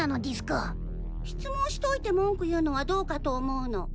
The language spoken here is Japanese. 質問しといて文句言うのはどうかと思うの。